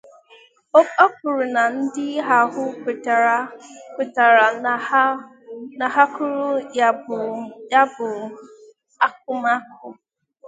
O kwuru na ndị ahụ kwètara na ha kụrụ ya bụ akụmakụ